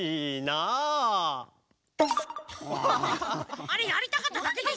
あれやりたかっただけでしょ。